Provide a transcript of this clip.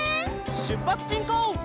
しゅっぱつしんこう！